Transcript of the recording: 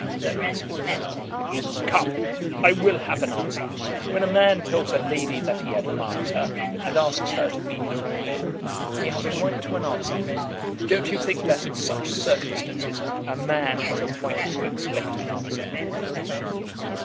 "That must depend." "Come; I will have an answer. When a man tells a lady that he admires her, and asks her to be his wife, he has a right to an answer. Don't you think that in such circumstances a man has a right to expect an answer?"